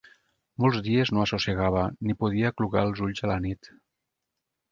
Molts dies no assossegava ni podia aclucar els ulls a la nit.